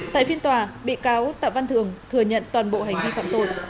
tại phiên tòa bị cáo tạ văn thường thừa nhận toàn bộ hành vi phạm tội